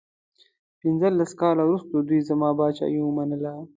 پنځلس کاله وروسته دوی زما پاچهي ومنله.